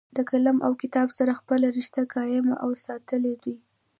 د قلم او کتاب سره خپله رشته قائم اوساتله دوي